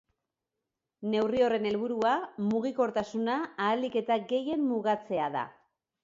Neuri horren helburua mugikortasuna ahalik eta gehien mugatzea da.